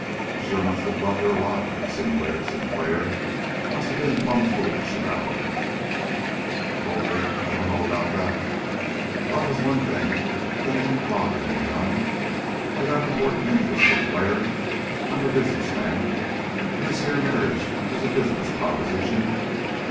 "You sure must have loved her a lot," insinuated Sinclair. "Must have been plumb foolish about her." "Oh, I dunno about that. Love is one thing that ain't bothered me none. I got important interests, Sinclair. I'm a business man. And this here marriage was a business proposition.